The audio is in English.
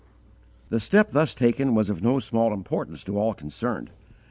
The step thus taken was of no small importance to all concerned.